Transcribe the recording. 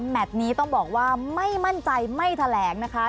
นี้ต้องบอกว่าไม่มั่นใจไม่แถลงนะคะ